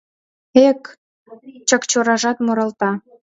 — Эх, Чакчоражат, муралта...